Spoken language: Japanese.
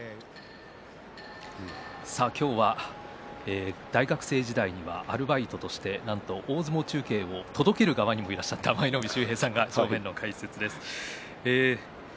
今日は大学生時代にはアルバイトとしてなんと大相撲中継を届ける側にもいらっしゃった舞の海秀平さんが正面の解説です。